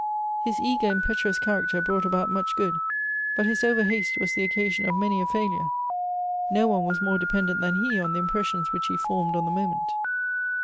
His eager impetuous character brought about much good ; but his over haste was the occasion of many a failure. No one was more dependent than he on the impressions which he formed on the moment.